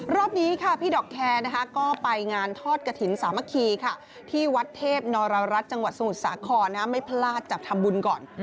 รอบนี้ค่ะพี่ดอกแคร์นะคะก็ไปงานทอดกระถิ่นสามัคคีค่ะที่วัดเทพนรรัฐจังหวัดสมุทรสาครไม่พลาดจากทำบุญก่อน